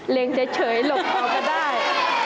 เร็งเฉยหลบทอก็ได้